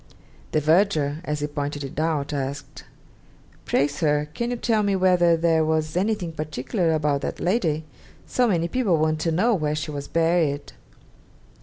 The verger, as he pointed it out, asked, 'Pray, sir, can you tell me whether there was anything particular about that lady; so many people want to know where she was buried?'